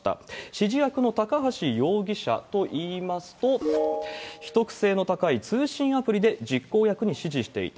指示役の高橋容疑者といいますと、秘匿性の高い通信アプリで実行役に指示していた。